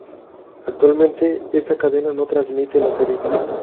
Actualmente, esta cadena no transmite la serie.